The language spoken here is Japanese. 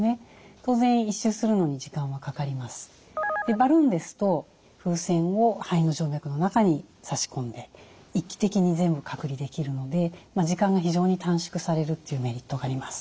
バルーンですと風船を肺の静脈の中にさし込んで一気的に全部隔離できるので時間が非常に短縮されるというメリットがあります。